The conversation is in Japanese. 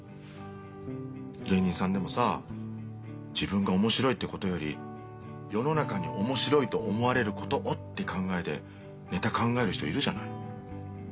芸人さんでもさ自分が面白いってことより世の中に面白いと思われることをって考えでネタ考える人いるじゃない。